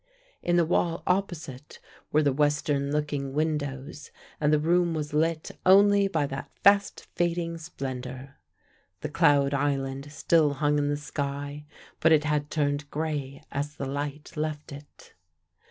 In the wall opposite were the western looking windows and the room was lit only by that fast fading splendor. The cloud island still hung in the sky, but it had turned gray as the light left it.